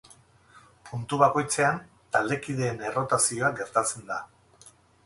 Puntu bakoitzean taldekideen errotazioa gertatzen da.